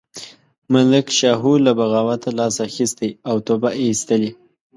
ملک شاهو له بغاوته لاس اخیستی او توبه یې ایستلې.